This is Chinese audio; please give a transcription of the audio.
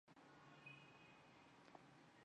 属定州。